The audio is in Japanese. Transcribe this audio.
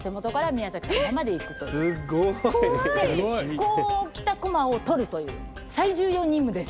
こう来たこまを取るという最重要任務です。